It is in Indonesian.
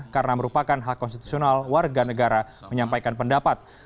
karena merupakan hak konstitusional warga negara menyampaikan pendapat